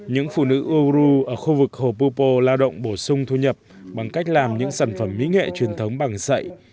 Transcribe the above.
những phụ nữ u rưu ở khu vực hồ pupo lao động bổ sung thu nhập bằng cách làm những sản phẩm mỹ nghệ truyền thống bằng sậy